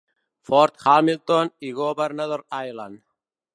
Fort Hamilton i Governor's Island.